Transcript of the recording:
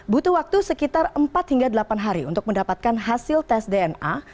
butuh waktu sekitar empat hingga delapan hari untuk mendapatkan hasil tes dna